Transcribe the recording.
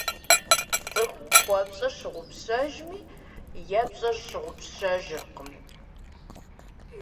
ЦӀыхум хуэпщӀэр щыгъупщэжми, епщӀэр щыгъупщэжыркъым.